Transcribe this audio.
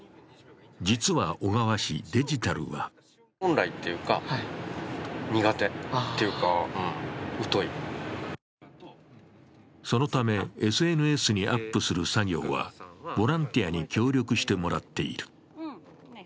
実は小川氏、デジタルはそのためＳＮＳにアップする作業は、ボランティアに協力してもらっている。